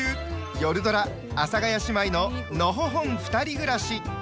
よるドラ「阿佐ヶ谷姉妹ののほほんふたり暮らし」。